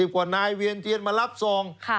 กว่านายเวียนเทียนมารับซอง